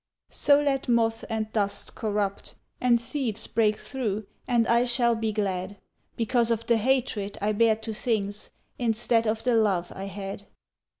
Vigils So let moth and dust corrupt and thieves Break through and I shall be glad, Because of the hatred I bear to things Instead of the love I had.